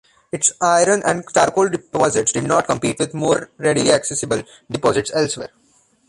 Its iron and charcoal deposits did not compete with more readily accessible deposits elsewhere.